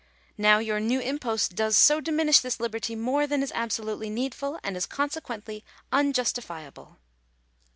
Now your new impost does so diminish this liberty more than is absolutely needful, and it is consequently unjustifiable."